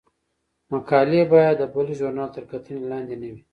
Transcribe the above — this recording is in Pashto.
مقالې باید د بل ژورنال تر کتنې لاندې نه وي.